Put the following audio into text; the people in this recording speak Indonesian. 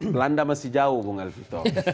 belanda masih jauh bung alvito